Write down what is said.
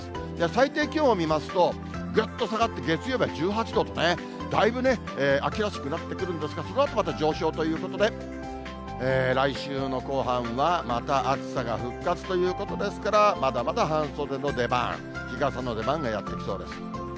最低気温を見ますと、ぐっと下がって、月曜日は１８度とね、だいぶね、秋らしくなってくるんですが、そのあとまた上昇ということで、来週の後半は、また暑さが復活ということですから、まだまだ半袖の出番、日傘の出番がやって来そうです。